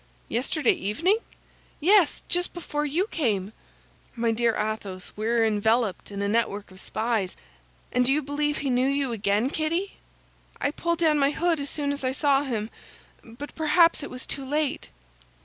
"Yesterday evening?" "Yes, just before you came." "My dear Athos, we are enveloped in a network of spies. And do you believe he knew you again, Kitty?" "I pulled down my hood as soon as I saw him, but perhaps it was too late."